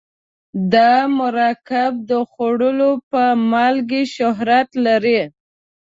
دا مرکب د خوړو په مالګې شهرت لري.